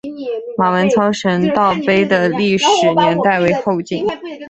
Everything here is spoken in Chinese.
马文操神道碑的历史年代为后晋。